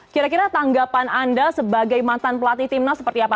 kira kira tanggapan anda sebagai mantan pelatih timnas seperti apa